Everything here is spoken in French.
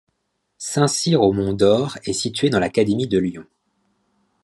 Saint-Cyr-au-Mont-d'Or est située dans l'académie de Lyon.